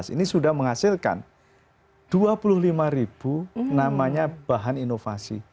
ini sudah menghasilkan dua puluh lima ribu namanya bahan inovasi